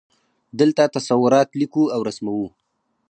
دلته تصورات لیکو او رسموو.